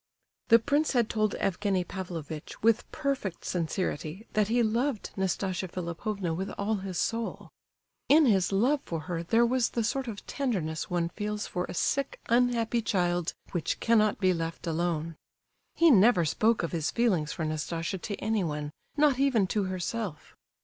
The prince had told Evgenie Pavlovitch with perfect sincerity that he loved Nastasia Philipovna with all his soul. In his love for her there was the sort of tenderness one feels for a sick, unhappy child which cannot be left alone. He never spoke of his feelings for Nastasia to anyone, not even to herself.